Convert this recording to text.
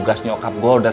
saya tunggu secret